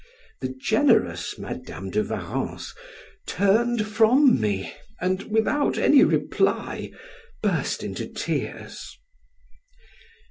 The generous Madam de Warrens turned from me, and (without any reply) burst into tears.